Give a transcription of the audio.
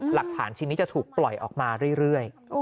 หลักฐานชิ้นนี้จะถูกปล่อยออกมาเรื่อย